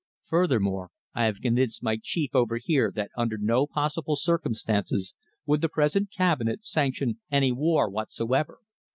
"Furthermore, I have convinced my chief over here that under no possible circumstances would the present Cabinet sanction any war whatsoever.